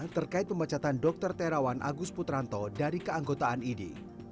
terkait pemecatan dokter terawan agus putranto dari keanggotaan idi